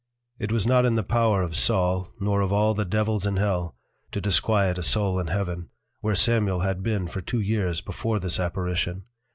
_ It was not in the Power of Saul, nor of all the Devils in Hell, to disquiet a Soul in Heaven, where Samuel had been for Two years before this Apparition.